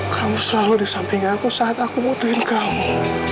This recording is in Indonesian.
kamu selalu di samping aku saat aku butuhin kamu